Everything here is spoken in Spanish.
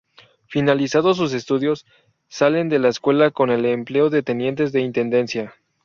Finalizados sus estudios, salen de la Escuela con el empleo de tenientes de Intendencia.